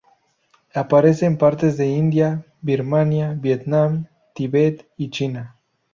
Aparece en partes de India, Birmania, Vietnam, Tibet y China.